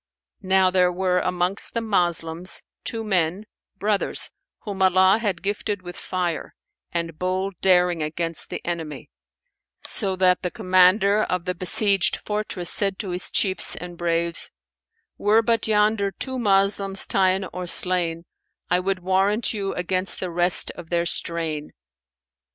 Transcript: Now there were amongst the Moslems two men, brothers, whom Allah had gifted with fire and bold daring against the enemy; so that the commander of the besieged fortress said to his chiefs and braves, "Were but yonder two Moslems ta'en or slain, I would warrant you against the rest of their strain."